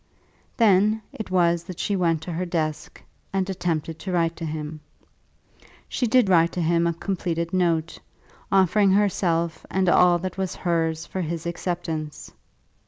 Then it was that she went to her desk, and attempted to write to him. She did write to him a completed note, offering herself and all that was hers for his acceptance.